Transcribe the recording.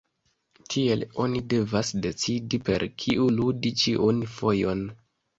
Tiele oni devas decidi per kiu ludi ĉiun fojon.